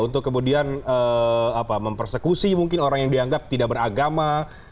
untuk kemudian mempersekusi mungkin orang yang dianggap tidak beragama